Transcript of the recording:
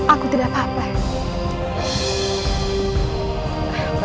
aku tidak apa apa